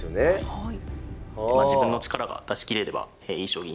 はい。